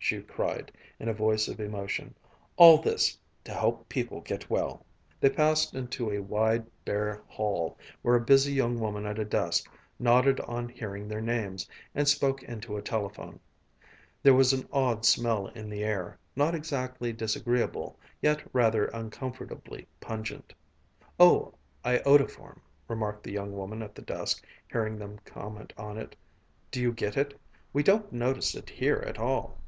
she cried, in a voice of emotion. "All this to help people get well!" They passed into a wide, bare hall, where a busy young woman at a desk nodded on hearing their names, and spoke into a telephone. There was an odd smell in the air, not exactly disagreeable, yet rather uncomfortably pungent. "Oh, iodoform," remarked the young woman at the desk, hearing them comment on it. "Do you get it? We don't notice it here at all."